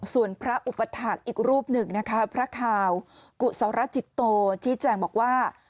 ส่วนพระอุปถาคอีกรูปหนึ่งนะคะพระคาวกุศรจิตโตชี้แจงบอกว่า